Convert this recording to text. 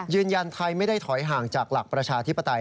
ยืนยันไทยไม่ได้ถอยห่างจากหลักประชาธิปไตย